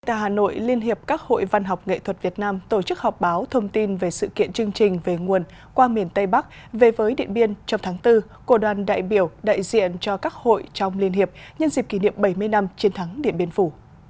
tại hà nội liên hiệp các hội văn học nghệ thuật việt nam tổ chức họp báo thông tin về sự kiện chương trình về nguồn qua miền tây bắc về với điện biên trong tháng bốn của đoàn đại biểu đại diện cho các hội trong liên hiệp nhân dịp kỷ niệm bảy mươi năm chiến thắng điện biên phủ